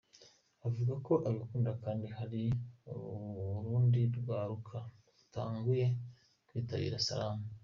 Avuga ko abikunda kandi hari n'urundi rwaruka rutanguye kwitabira Slam.